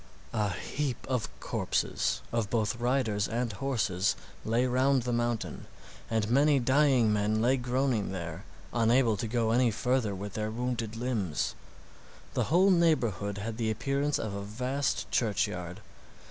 A heap of corpses both of riders and horses lay round the mountain, and many dying men lay groaning there unable to go any further with their wounded limbs. The whole neighborhood had the appearance of a vast churchyard.